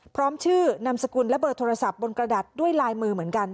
พร้อมชื่อนามสกุลและเบอร์โทรศัพท์บนกระดาษด้วยลายมือเหมือนกัน